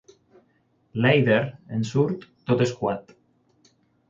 L'èider en surt, tot escuat.